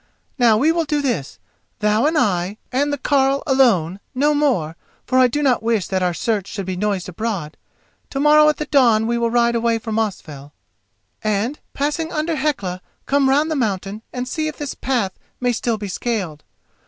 Now we will do this: thou and I, and the carle alone—no more, for I do not wish that our search should be noised abroad—to morrow at the dawn we will ride away for Mosfell, and, passing under Hecla, come round the mountain and see if this path may still be scaled.